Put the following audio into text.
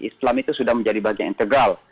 islam itu sudah menjadi bagian integral